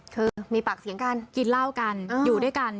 คือมีปากเสียงกันกินเหล้ากันอยู่ด้วยกัน